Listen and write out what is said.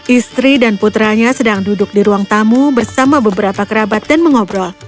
istri dan putranya sedang duduk di ruang tamu bersama beberapa kerabat dan mengobrol